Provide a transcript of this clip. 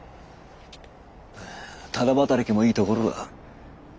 ただ働きもいいところだ。